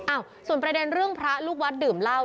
ส่วนประเด็นเรื่องพระลูกวัดดื่มเหล้า